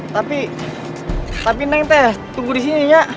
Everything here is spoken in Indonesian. tapi tapi neng teh tunggu disini ya